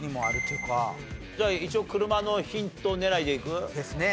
じゃあ一応車のヒント狙いでいく？ですね。